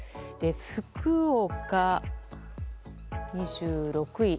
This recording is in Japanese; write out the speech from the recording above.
福岡、２６位。